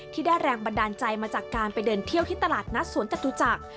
ที่ได้แรงบันดาลใจมาจากการไปเดินเที่ยวที่ตลาดนัดสวนจตุจักร